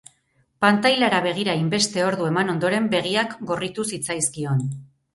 Pantailara begira hainbeste ordu eman ondoren begiak gorritu zitzaizkion.